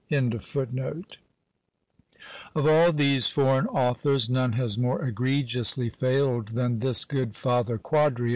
Of all these foreign authors, none has more egregiously failed than this good Father Quadrio.